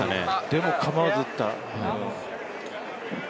でも、構わず打った。